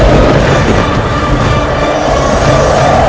dan menghentikan raiber